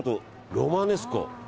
ロマネスコ。